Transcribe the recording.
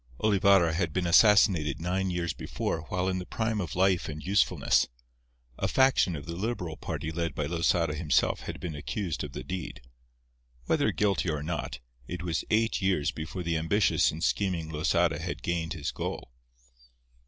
Olivarra had been assassinated nine years before while in the prime of life and usefulness. A faction of the Liberal party led by Losada himself had been accused of the deed. Whether guilty or not, it was eight years before the ambitious and scheming Losada had gained his goal.